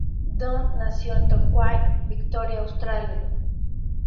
Dunn nació en Torquay, Victoria, Australia.